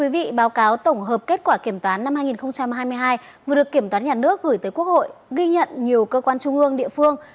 vị báo cáo tổng hợp kết quả kiểm toán năm hai nghìn hai mươi hai vừa được kiểm toán nhà nước gửi tới quốc hội ghi nhận nhiều cơ quan trung ương địa phương